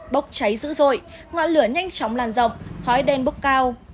bốc cháy dữ dội ngọn lửa nhanh chóng lan rộng khói đen bốc cao